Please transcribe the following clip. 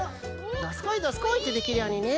どすこいどすこいってできるようにね。